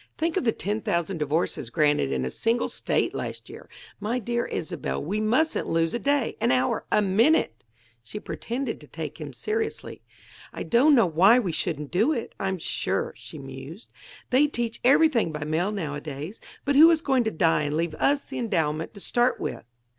Think of the ten thousand divorces granted in a single state last year! My dear Isobel, we mustn't lose a day an hour a minute!" She pretended to take him seriously. "I don't know why we shouldn't do it, I'm sure," she mused. "They teach everything by mail nowadays. But who is going to die and leave us the endowment to start with?"